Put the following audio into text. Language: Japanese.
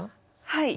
はい。